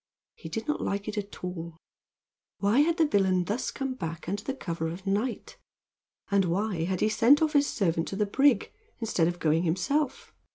He did not like it at all. Why had the villain thus come back under cover of night? And why had he sent off his servant to the brig, instead of going himself?